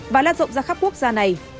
và lan rộng ra khắp quốc gia này